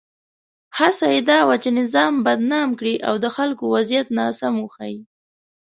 هڅه یې دا وه چې نظام بدنام کړي او د خلکو وضعیت ناسم وښيي.